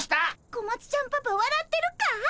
小町ちゃんパパわらってるかい？